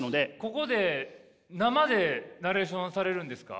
ここで生でナレーションされるんですか？